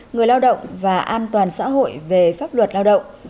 người lao động và an toàn xã hội về pháp luật lao động